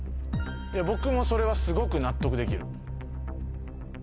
僕もそれはすごく納得できる。